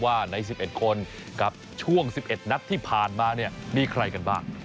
ว่าในสิบเอ็ดคนกับช่วงสิบเอ็ดนัดที่ผ่านมาเนี่ยมีใครกันบ้าง